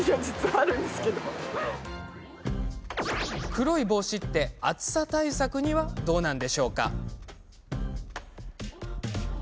黒い帽子って、暑さ対策にはどうなんでしょうか。